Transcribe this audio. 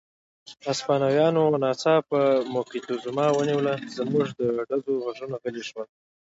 هسپانویانو ناڅاپه موکتیزوما ونیوه، وروسته د ډزو غږونه غلي شول.